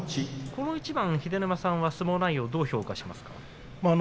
この一番秀ノ山さんは相撲内容どう評価しますか。